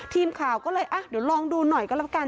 ทีมข่าวก็เลยอ่ะเดี๋ยวลองดูหน่อยก็แล้วกัน